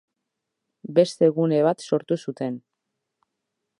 Beste gune bat sortu zuten.